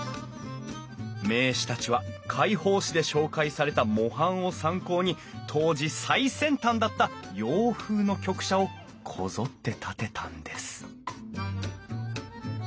名士たちは会報誌で紹介された模範を参考に当時最先端だった洋風の局舎をこぞって建てたんです